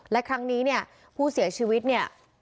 และครั้งนี้เนี่ยผู้เสียชีวิตเนี่ย